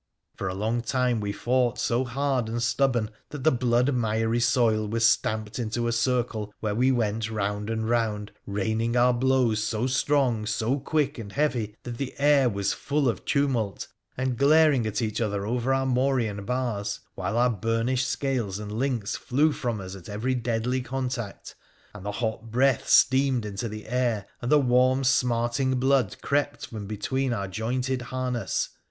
For a long time we fought so hard and stubborn that the blood miry soil was stamped into a circle where we went round and round, raining our blows so strong, quick, and heavy that the air was full of tumult, and glaring at each other over our morion bars, while our burnished scales and links flew from us at every deadly contact, and the hot breath steamed into the air, and the warm, smarting blood crept from between our jointed harness.